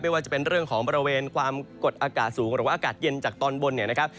ว่าจะเป็นเรื่องของบริเวณความกดอากาศสูงหรือว่าอากาศเย็นจากตอนบนเนี่ยนะครับ